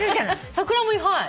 桜もはい。